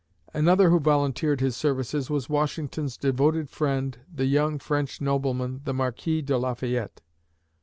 Another who volunteered his services was Washington's devoted friend, the young French nobleman, the Marquis de Lafayette.